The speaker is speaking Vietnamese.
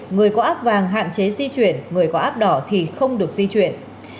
người có áp vàng hạn chế di chuyển người có app đỏ thì không được di chuyển